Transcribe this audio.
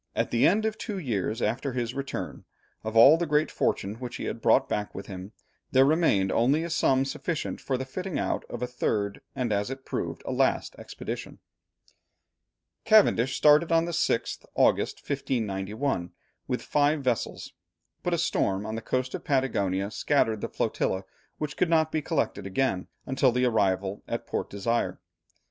At the end of two years after his return, of all the great fortune which he had brought back with him, there remained only a sum sufficient for the fitting out of a third, and as it proved, a last expedition. Cavendish started on the 6th August, 1591, with five vessels, but a storm on the coast of Patagonia scattered the flotilla, which could not be collected again until the arrival at Port Desire.